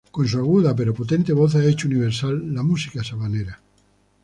Con su aguda pero potente voz ha hecho universal la música sabanera.